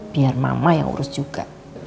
biar mama yang urus juga